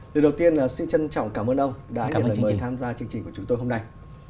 lời đầu tiên xin trân trọng cảm ơn ông đã nhận lời mời tham gia chương trình của chúng tôi hôm nay